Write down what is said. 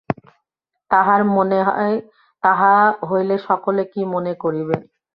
তাঁহার মনে হয়, তাহা হইলে সকলে কী মনে করিবে।